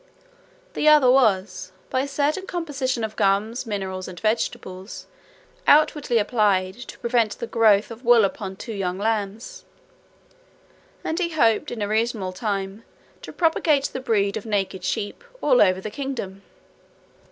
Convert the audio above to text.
The other was, by a certain composition of gums, minerals, and vegetables, outwardly applied, to prevent the growth of wool upon two young lambs; and he hoped, in a reasonable time to propagate the breed of naked sheep, all over the kingdom.